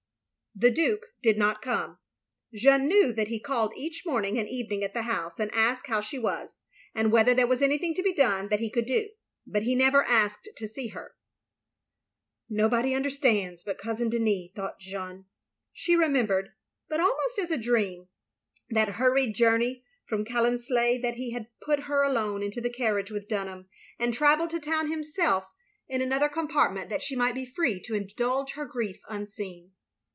The Dtike did not come. Jeanne knew that he call^ each morning and evening at the house, and asked how she was, and whether there were anything to be done that he could do— but he never asked to see her. "Nobody understands but Cousin Denis,'* thought Jeanne. She remembered, but almost as a dream, that hturied journey from Challonsleigh, and that he had put her alone into the carriage with Dxmham, and travelled to town himself in another com OF GROSVENOR SQUARE 315 partment, that she might be free to indulge her grief unseeJn.